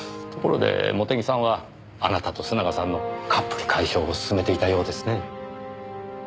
ところで茂手木さんはあなたと須永さんのカップル解消を進めていたようですね。